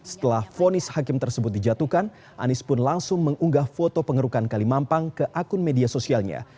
setelah fonis hakim tersebut dijatuhkan anies pun langsung mengunggah foto pengerukan kalimampang ke akun media sosialnya